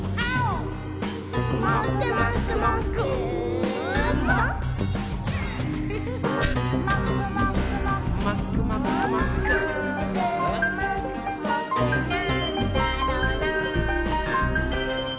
「もーくもくもくなんだろなぁ」